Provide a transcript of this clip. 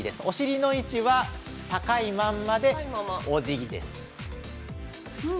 お尻の位置は高いまんまでおじぎです。